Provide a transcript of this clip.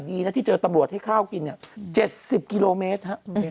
ดีนะที่เจอตำรวจให้ข้าวกินเนี่ย๗๐กิโลเมตร